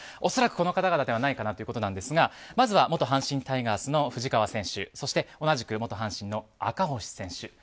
恐らくこの方々ではないかということですがまずは元阪神タイガースの藤川選手そして同じく元阪神の赤星選手。